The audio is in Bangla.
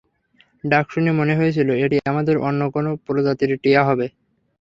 ডাক শুনে মনে হয়েছিল এটি আমাদের অন্য কোনো প্রজাতির টিয়া হবে।